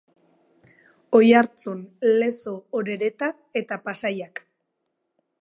Oiartzun, Lezo, Orereta eta Pasaiak.